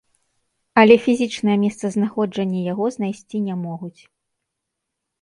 Але фізічнае месцазнаходжанне яго знайсці не могуць.